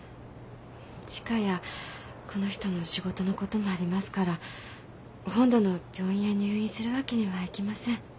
千賀やこの人の仕事のこともありますから本土の病院へ入院するわけにはいきません。